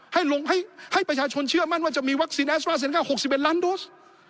ให้ประชาชนเชื่อมั่นว่าจะมีวัคซีนแอสตราเซนก้า๖๑ล้านโดส